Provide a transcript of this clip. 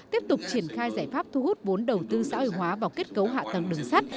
tiếp tục triển khai giải pháp thu hút vốn đầu tư xã hội hóa vào kết cấu hạ tầng đường sắt